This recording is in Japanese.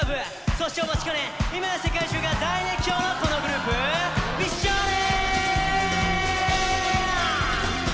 そしてお待ちかね今や世界中が大熱狂のこのグループ美少年！